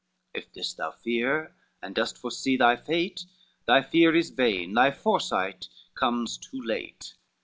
If this thou fear, and dost foresee thy fate, Thy fear is vain, thy foresight comes too late."